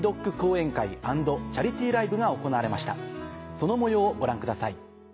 その模様をご覧ください。